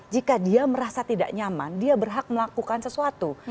jika dia merasa tidak nyaman dia berhak melakukan sesuatu